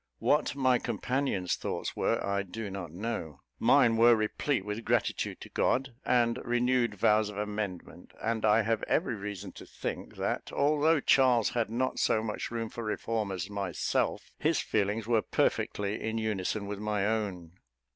What my companion's thoughts were, I do not know; mine were replete with gratitude to God, and renewed vows of amendment; and I have every reason to think, that although Charles had not so much room for reform as myself, his feelings were perfectly in unison with my own.